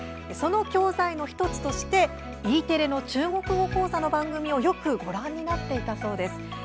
教材の１つとしてＥテレの中国語講座の番組をよくご覧になっていたそうです。